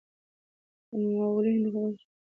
مغولي هند غوښتل چې کندهار بېرته ترلاسه کړي.